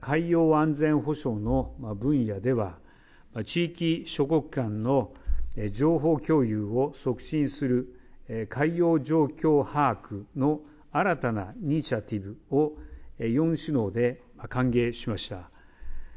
海洋安全保障の分野では、地域諸国間の情報共有を促進する海洋状況把握の新たなイニシアチブを、４首脳で歓迎しました。